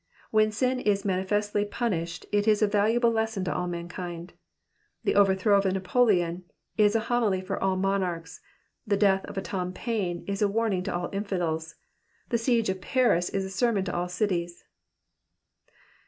When sin is manifestly punished it is a valuable lesson to all mankind. The overthrow of a Napoleon is a homily for all monarchs, the death of a Tom Paine a warning to all infidels, the siege of Paris a sermon to all cities.